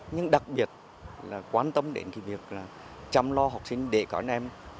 nhưng đặc biệt là quan tâm đến cái việc là chăm lo học sinh đệ con em